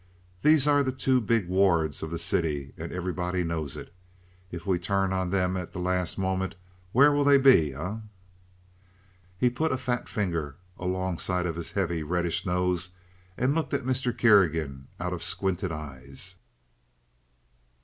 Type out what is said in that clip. These are the two big wards of the city, and everybody knows it. If we turn on them at the last moment where will they be, eh?" He put a fat finger alongside of his heavy reddish nose and looked at Mr. Kerrigan out of squinted eyes.